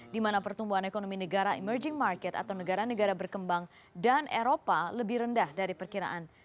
di mana pertumbuhan ekonomi negara emerging market atau negara negara berkembang dan eropa lebih rendah dari perkiraan